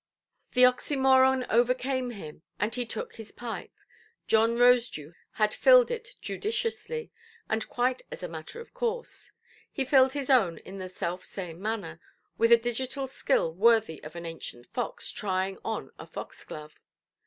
The oxymoron overcame him, and he took his pipe: John Rosedew had filled it judiciously, and quite as a matter of course; he filled his own in the self–same manner, with a digital skill worthy of an ancient fox trying on a foxglove.